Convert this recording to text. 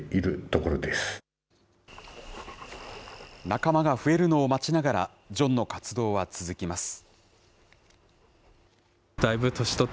仲間が増えるのを待ちながら、ジョンの活動は続きます。